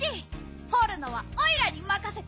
ほるのはオイラにまかせて！